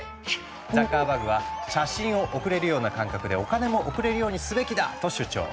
ザッカーバーグは「写真を送れるような感覚でお金も送れるようにすべきだ」と主張。